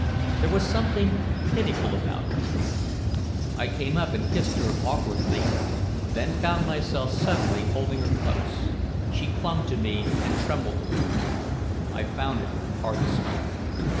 There was something pitiful about her. I came up and kissed her awkwardly, then found myself suddenly holding her close. She clung to me and trembled a little. I found it hard to speak.